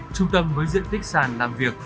trung tâm mới diễn tích sàn làm việc